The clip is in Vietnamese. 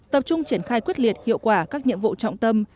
tập trung triển khai quyết liệt hiệu quả các nhiệm vụ trọng tâm